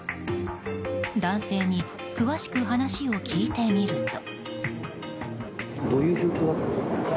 男性に詳しく話を聞いてみると。